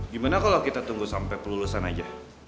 gimana kalo kita tunggu sampe pelulusan aja